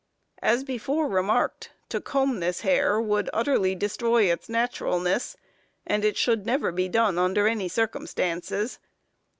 As before remarked, to comb this hair would utterly destroy its naturalness, and it should never be done under any circumstances.